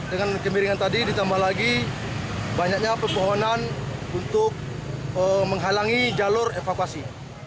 dengan kemiringan tadi ditambah lagi banyaknya pepohonan untuk menghalangi jalur evakuasi